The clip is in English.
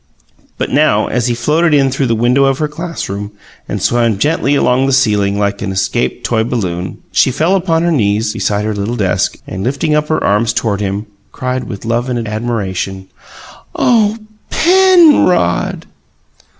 But now, as he floated in through the window of her classroom and swam gently along the ceiling like an escaped toy balloon, she fell upon her knees beside her little desk, and, lifting up her arms toward him, cried with love and admiration: "Oh, PENrod!"